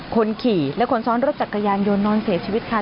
คนขี่และคนซ้อนรถจักรยานยนต์นอนเสียชีวิตค่ะ